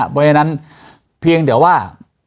เพราะฉะนั้นเพียงแต่ว่า